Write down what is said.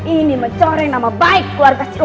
ini mencoreng nama baik keluarga sekolah